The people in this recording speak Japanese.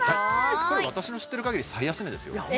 これ私の知ってるかぎり最安値ですよ